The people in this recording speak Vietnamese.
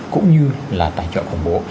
cũng như là tài trợ khổng bố